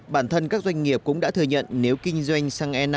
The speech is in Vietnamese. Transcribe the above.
bản thân các doanh nghiệp cũng đã thừa nhận nếu kinh doanh xăng e năm